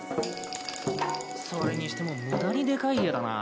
それにしても無駄にでかい家だな。